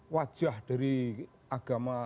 wajah dari agama